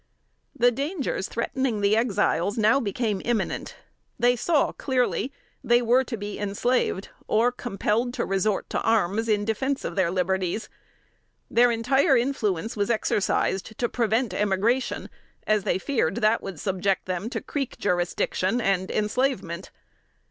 The dangers threatening the Exiles now became imminent. They saw clearly they were to be enslaved, or compelled to resort to arms in defense of their liberties. Their entire influence was exercised to prevent emigration, as they feared that would subject them to Creek jurisdiction and enslavement.